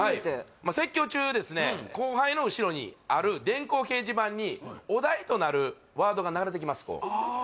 まあ説教中ですね後輩の後ろにある電光掲示板にお題となるワードが流れてきますああ